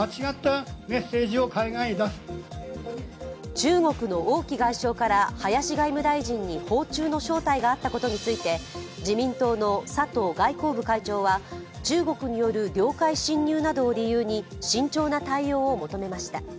中国の王毅外相から林外務大臣に訪中の招待があったことについて、自民党の佐藤外交部会長は中国による領海侵入などを理由に慎重な対応を求めました。